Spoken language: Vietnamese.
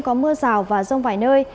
có mưa rào và rông vài nơi